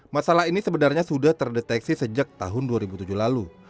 masalah ini sebenarnya sudah terdeteksi sejak tahun dua ribu tujuh lalu